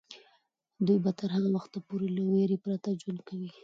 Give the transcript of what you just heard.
دوی به تر هغه وخته پورې له ویرې پرته ژوند کوي.